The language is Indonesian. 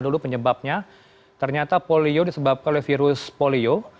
dulu penyebabnya ternyata polio disebabkan oleh virus polio